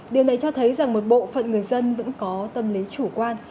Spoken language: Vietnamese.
điều này cho thấy rằng một bộ phận người dân vẫn có tâm lý chủ quan